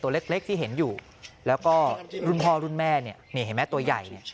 เล็กที่เห็นอยู่แล้วก็รุ่นพ่อรุ่นแม่เนี่ยนี่เห็นไหมตัวใหญ่เนี่ย